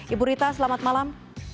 ibu rita selamat malam